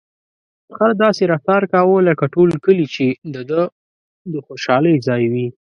خر داسې رفتار کاوه لکه ټول کلي چې د ده د خوشحالۍ ځای وي.